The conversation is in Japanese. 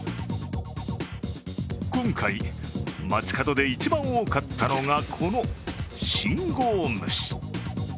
今回、街角で一番多かったのがこの信号無視。